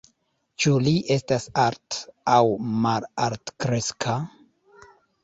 Ĉu li estas alt- aŭ malaltkreska?